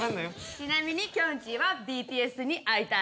ちなみにきょんちぃはＢＴＳに会いたい。